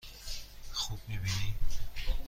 خوب می بینی؟